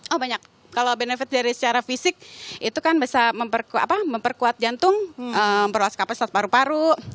oh banyak kalau benefit dari secara fisik itu kan bisa memperkuat jantung memperluas kapasitas paru paru